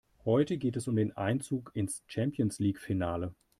Heute geht es um den Einzug ins Champions-League-Finale.